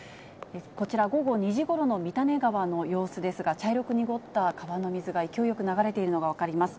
こちら午後２時ごろの三種川の様子ですが、茶色く濁った川の水が勢いよく流れているのが分かります。